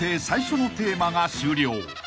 最初のテーマが終了］